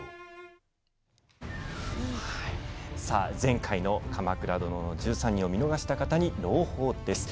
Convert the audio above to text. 前回の「鎌倉殿の１３人」を見逃した方に朗報です。